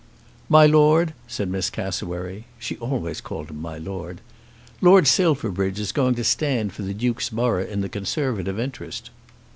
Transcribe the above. "My Lord," said Miss Cassewary she always called him "My Lord" "Lord Silverbridge is going to stand for the Duke's borough in the Conservative interest."